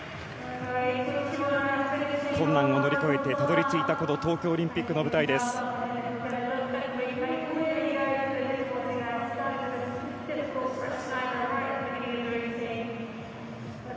困難を乗り越えてたどりついた東京オリンピックの舞台です。